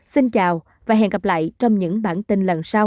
xin chào và hẹn gặp lại trong những bản tin lần sau